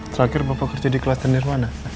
terakhir bapak kerja di klaster nirwana